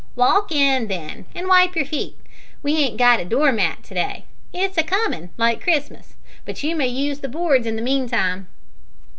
"Walk in, then, an' wipe your feet. We ain't got a door mat to day. It's a comin', like Christmas; but you may use the boards in the meantime."